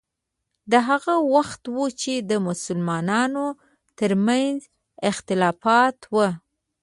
دا هغه وخت و چې د مسلمانانو ترمنځ اختلافات وو.